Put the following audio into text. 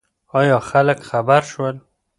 ایا خلک خبر شول؟